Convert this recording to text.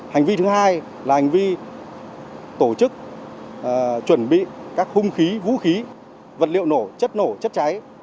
hành vi thứ hai là hành vi tổ chức chuẩn bị các hung khí vũ khí vật liệu nổ chất nổ chất cháy